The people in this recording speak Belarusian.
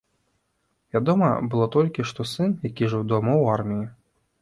Вядома было толькі, што сын, які жыў дома, у арміі.